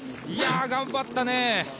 頑張ったね。